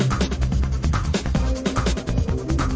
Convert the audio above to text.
คุณอันทนั่นเจอก็มันมาให้รู้สึกผู้ที่ไม่รู้